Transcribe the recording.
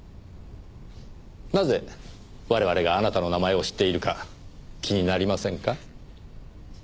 なぜ我々があなたの名前を知っているか気になりませんか？